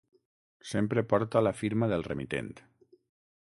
Sempre porta la firma del remitent.